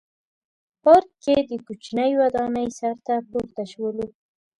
پارک کې د کوچنۍ ودانۍ سر ته پورته شولو.